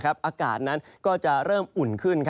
อากาศนั้นก็จะเริ่มอุ่นขึ้น